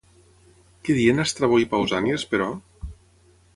Què deien Estrabó i Pausànies, però?